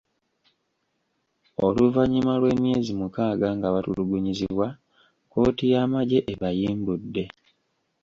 Oluvannyuma lw’emyezi mukaaga nga batulugunyizibwa, kkooti y’amagye ebayimbudde.